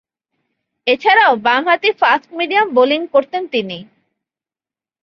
এছাড়াও, বামহাতি fast medium bowling করতেন তিনি।